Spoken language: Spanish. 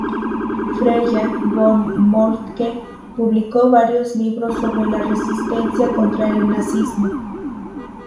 Freya von Moltke publicó varios libros sobre la Resistencia contra el nazismo.